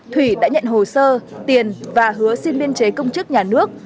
thủy đã nhận hồ sơ tiền và hứa xin biên chế công chức nhà nước